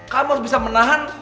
kamu harus bisa menahan